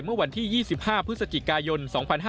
เมื่อวันที่๒๕พฤศจิกายน๒๕๕๙